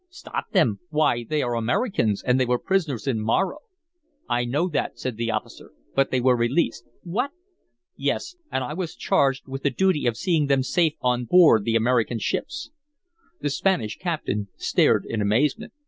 "Stop them! Why they are Americans, and they were prisoners in Morro." "I know that," said the officer. "But they were released." "What!" "Yes. And I was charged with the duty of seeing them safe on board the American ships." The Spanish captain stared in amazement.